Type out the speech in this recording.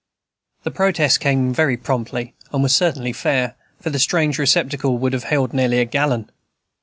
The protest came very promptly, and was certainly fair; for the strange receptacle would have held nearly a gallon.